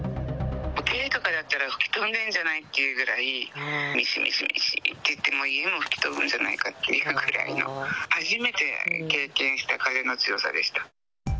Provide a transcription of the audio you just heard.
軽かなんかだったら、吹き飛んでるんじゃないかっていうぐらい、みしみしって、家も吹き飛ぶんじゃないかというぐらいの、初めて経験した風の強さでした。